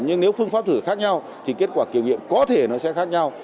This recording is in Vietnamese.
nhưng nếu phương pháp thử khác nhau thì kết quả kiểm nghiệm có thể nó sẽ khác nhau